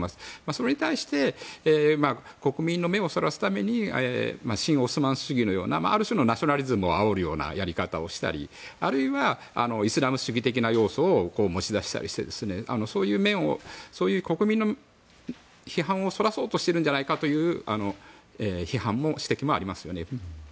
それに対して国民の目をそらすために新オスマン主義のようなある種のナショナリズムをあおるようなやり方をしたりあるいはイスラム主義的な要素を持ち出したりしてそういう国民の批判をそらそうとしているんじゃないかという批判、指摘もありますね。